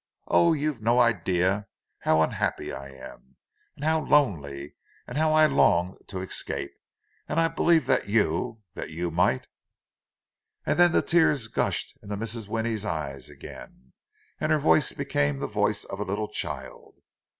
Oh, you've no idea how unhappy I am—and how lonely—and how I longed to escape! And I believed that you—that you might—" And then the tears gushed into Mrs. Winnie's eyes again, and her voice became the voice of a little child.